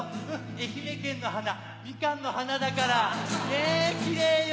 愛媛県の花ミカンの花だからねキレイよ。